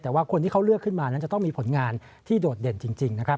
แต่ว่าคนที่เขาเลือกขึ้นมานั้นจะต้องมีผลงานที่โดดเด่นจริงนะครับ